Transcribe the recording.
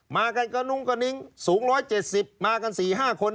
มากันกระนุ้งกระนิ้งสูง๑๗๐มากัน๔๕คน